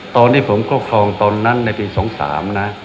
ตอนที่ผมครอบครองตอนนั้นในปี๒๓นะ